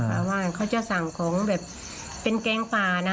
เพราะว่าเขาจะสั่งของแบบเป็นแกงป่านะ